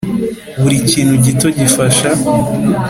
buri kintu gito gifasha